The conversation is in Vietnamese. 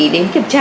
đến kiểm tra